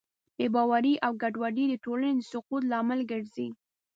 بېباورۍ او ګډوډۍ د ټولنې د سقوط لامل ګرځي.